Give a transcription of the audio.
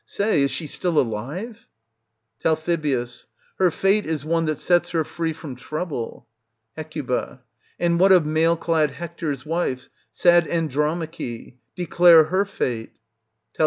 say, is she still alive ? Tal. Her fate is one that sets her free from trouble. Hec. And what of mail clad Hector's wife, sad Andro mache ? declare her fate. Tal.